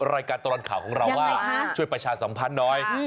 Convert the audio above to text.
รายการตลอดข่าวของเราว่าช่วยประชาสัมพันธ์หน่อย